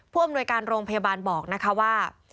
อำนวยการโรงพยาบาลบอกนะคะว่า